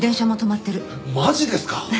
マジですか？